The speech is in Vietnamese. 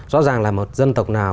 rõ ràng là một dân tộc nào